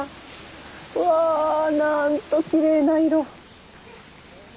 うわあなんときれいな色。